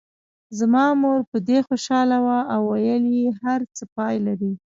زما مور په دې خوشاله وه او ویل یې هر څه پای لري.